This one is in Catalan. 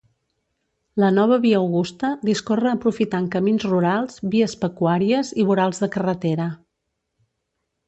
La nova Via Augusta, discorre aprofitant camins rurals, vies pecuàries i vorals de carretera.